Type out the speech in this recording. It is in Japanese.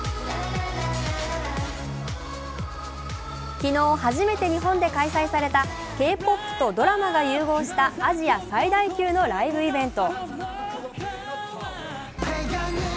昨日、初めて日本で開催されたＫ−ＰＯＰとドラマが融合したアジア最大級のライブイベント。